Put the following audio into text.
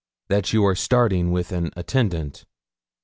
That you are starting with an attendant.'